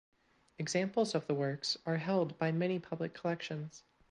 Examples of the works are held by many public collections.